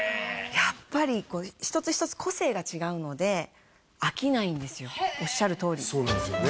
やっぱりこう一つ一つ個性が違うので飽きないんですよおっしゃるとおりそうなんですよね